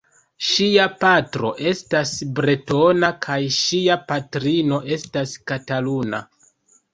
Ŝia patro estas bretona kaj ŝia patrino estas kataluna.